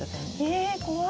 え怖い。